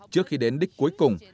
trước khi đến đích cuối cùng